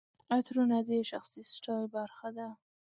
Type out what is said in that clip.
عطرونه د شخصي سټایل برخه ده.